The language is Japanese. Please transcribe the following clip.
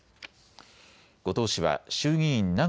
後藤氏は衆議院長